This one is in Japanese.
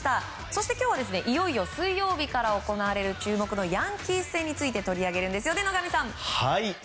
そして、今日はいよいよ水曜日から行われる注目のヤンキース戦について取り上げます、野上さん。